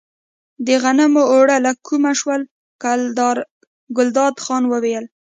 د غنمو اوړه له کومه شول، ګلداد خان وویل.